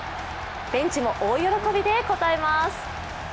ベンチも大喜びで応えます。